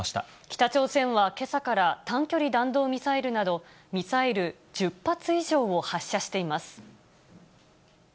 北朝鮮はけさから短距離弾道ミサイルなど、ミサイル１０発以上を発射しています。